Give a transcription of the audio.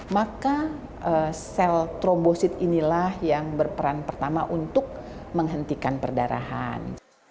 maka sel trombosit inilah yang berperan pertama untuk menghentikan perdarahan